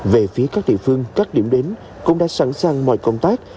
về phía các địa phương các điểm đến cũng đã sẵn sàng mọi công tác